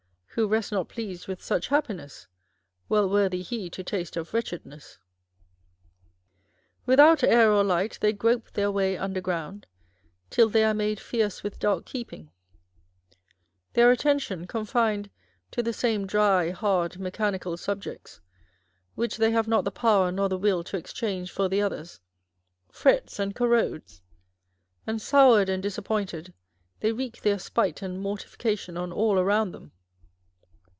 Who rests not pleased with such happiness, Well worthy he to taste of wretchedness ! Without air or light, they grope their way underground, till they arc made " fierce with dark keeping :" 1 their at tention, confined to the same dry, hard, .mechanical sub jects, which they have not the power nor the will to exchange for the others, frets and corrodes ; and soured and disappointed, they wreak their spite and mortification on all around them.